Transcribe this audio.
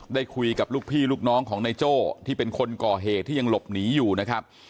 ได้คุยกับลูกพี่ลูกน้องของนายโจ้ที่เป็นคนก่อเหตุที่ยังหลบหนีอยู่นะครับ